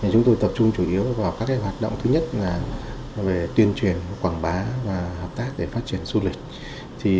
chúng tôi tập trung chủ yếu vào các hoạt động thứ nhất là về tuyên truyền quảng bá và hợp tác để phát triển du lịch